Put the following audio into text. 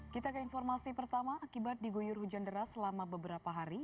kita ke informasi pertama akibat diguyur hujan deras selama beberapa hari